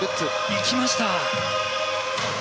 いきました。